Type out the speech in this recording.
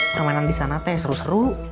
permainan di sana teh seru seru